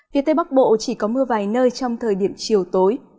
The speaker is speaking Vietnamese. phía tây bắc bộ chỉ có mưa vài nơi trong thời điểm chiều tối